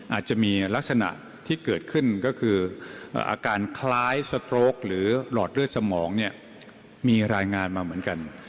อาจจะมีลักษณะที่เกิดขึ้นก็คืออาการคล้ายสโตรกหรือหลอดเลือดสมองเนี่ยมีรายงานมาเหมือนกัน